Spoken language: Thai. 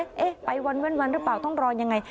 เอก่งว่าไปว้นว่นว้นว่ื่อเปล่าต้องรอนยังไง